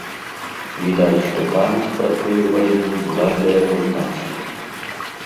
Відаць, што памяць пра тую вайну была для яго значнай.